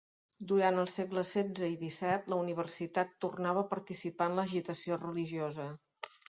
Durant els segles XVI i XVII, la universitat tornava a participar en l'agitació religiosa.